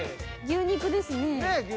牛肉ですね。